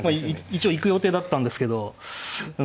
一応いく予定だったんですけど。